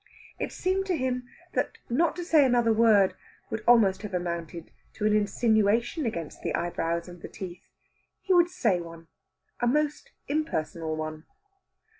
It seemed to him that not to say another word would almost have amounted to an insinuation against the eyebrows and the teeth. He would say one a most impersonal one.